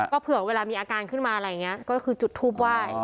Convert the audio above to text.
ก็เผื่อเวลามีอาการขึ้นมาอะไรอย่างนี้ก็คือจุดทูปไหว้